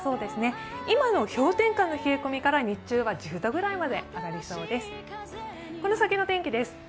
今の氷点下の冷え込みから、日中は１０度ぐらいまで上がりそうです。